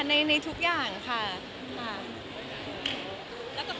แม่กับลูกสาวแบบนี้ไปแล้ว